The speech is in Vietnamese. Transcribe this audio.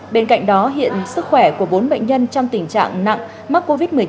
bên cạnh đó hiện sức khỏe của bốn bệnh nhân trong tình trạng nặng mắc covid một mươi chín